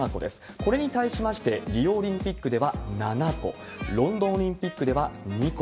これに対しまして、リオオリンピックでは７個、ロンドンオリンピックでは２個。